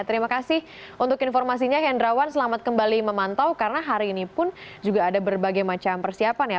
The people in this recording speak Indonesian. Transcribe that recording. terima kasih untuk informasinya hendrawan selamat kembali memantau karena hari ini pun juga ada berbagai macam persiapan ya